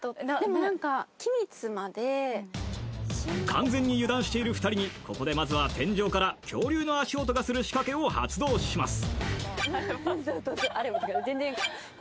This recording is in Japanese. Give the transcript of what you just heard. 完全に油断している２人にここでまずは天井から恐竜の足音がする仕掛けを発動します